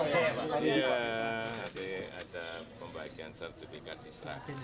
iya nanti ada pembagian sertifikat disah